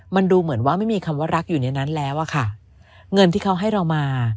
มันดูเหมือนว่าไม่มีคำว่ารักอยู่ในนั้นแล้วอะค่ะเงินที่เขาให้เรามา